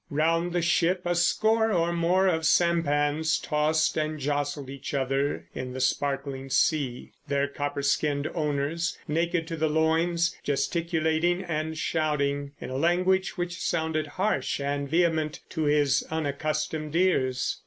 Round the ship a score or more of sampans tossed and jostled each other in the sparkling sea, their copper skinned owners—naked to the loins—gesticulating and shouting in a language which sounded harsh and vehement to his unaccustomed ears.